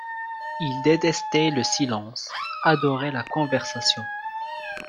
Il détestait le silence, adorait la conversation.